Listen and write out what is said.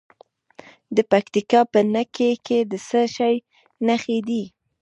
د پکتیکا په نکې کې د څه شي نښې دي؟